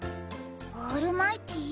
オールマイティー？